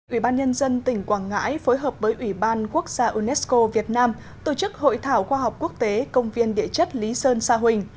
ủy ban nhân dân tỉnh quảng ngãi phối hợp với ủy ban quốc gia unesco việt nam tổ chức hội thảo khoa học quốc tế công viên địa chất lý sơn sa huỳnh